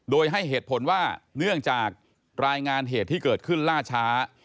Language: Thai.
โดยให้เหตุผลว่าเนื่องจากรายงานเหตุที่เกิดขึ้นล่าช้า